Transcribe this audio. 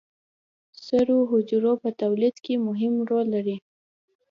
سرو حجرو په تولید کې مهم رول لري